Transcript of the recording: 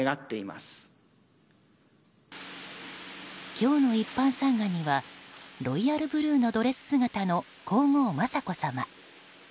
今日の一般参賀にはロイヤルブルーのドレス姿の皇后・雅子さま。